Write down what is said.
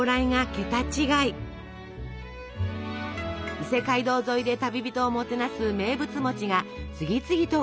伊勢街道沿いで旅人をもてなす名物が次々と売り出されます。